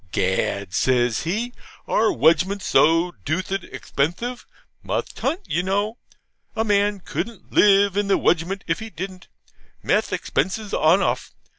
'Gad!': says he, 'our wedgment's so DOOTHID exthpenthif. Must hunt, you know. A man couldn't live in the wedgment if he didn't. Mess expenses enawmuth.